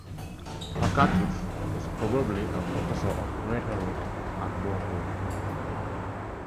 Pacatus was probably a professor of rhetoric at Bordeaux.